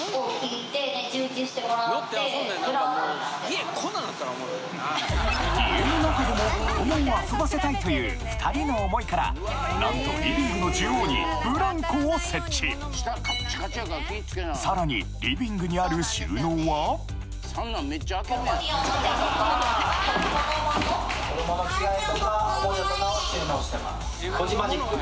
家の中でも子どもを遊ばせたいという２人の思いからなんとリビングの中央にブランコを設置さらに三男めっちゃ開けるやん。